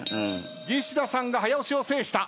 西田さんが早押しを制した。